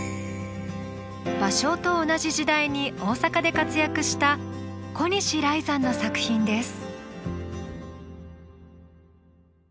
芭蕉と同じ時代に大坂で活躍した小西来山の作品です。